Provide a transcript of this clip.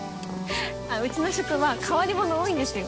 あっうちの職場変わり者多いんですよ。